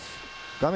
画面